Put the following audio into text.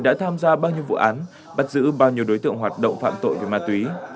đã tham gia bao nhiêu vụ án bắt giữ bao nhiêu đối tượng hoạt động phạm tội về ma túy